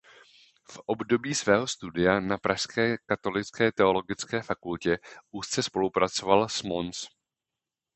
V období svého studia na pražské katolické teologické fakultě úzce spolupracoval s Mons.